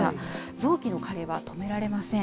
臓器の加齢は止められません。